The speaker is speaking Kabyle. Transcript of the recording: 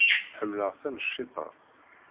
Ḥemmleɣ taneččit-a.